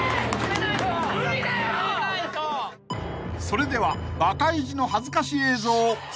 ［それではバカイジの恥ずかし映像スタート］